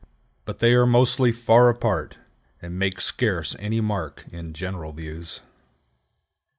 But they are mostly far apart, and make scarce any mark in general views.